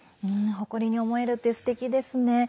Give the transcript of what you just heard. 誇りに思えるってすてきですね。